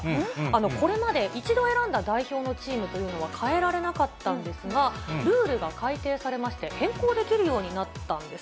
これまで一度選んだ代表のチームというのは、変えられなかったんですが、ルールが改定されまして、変更できるようになったんです。